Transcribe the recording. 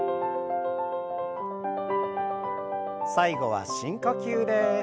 最後は深呼吸です。